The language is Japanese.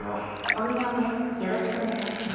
お土産よろしくお願いします。